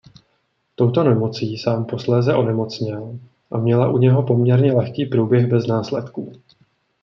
Touto nemocí sám posléze onemocněl a měla u něho poměrně lehký průběh bez následků.